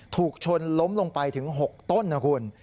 ถูกชนล้มลงไปถึง๖ต้นนะคุณ